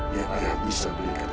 biar ayah bisa beli kita motor